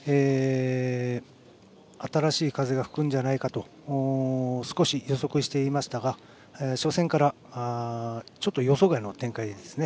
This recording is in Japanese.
新しい風が吹くんじゃないかと少し予測していましたが初戦からちょっと予想外の展開ですね。